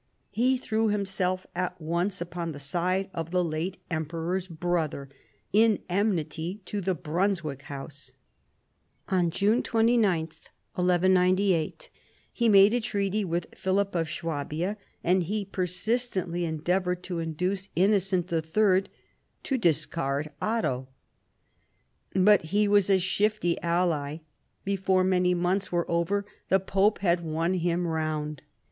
He threw himself at once upon the side of the late emperor's brother, in enmity to the Brunswick house. On June 29, 1198, he made a treaty with Philip of Swabia, and he persistently endeavoured to induce iv BOUVINES 91 Innocent III. to discard Otto. But he was a shifty ally. Before many months were over the pope had won him round.